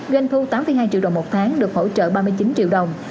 doanh thu tám hai triệu đồng một tháng được hỗ trợ ba mươi chín triệu đồng